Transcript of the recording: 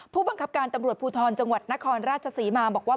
ผู้บังคับการตำรวจภูทรจังหวัดนครราชศรีมาบอกว่า